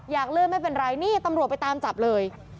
เลื่อนไม่เป็นไรนี่ตำรวจไปตามจับเลย